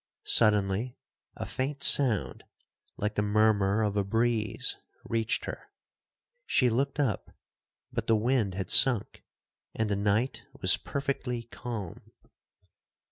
Suddenly a faint sound, like the murmur of a breeze, reached her,—she looked up, but the wind had sunk, and the night was perfectly calm.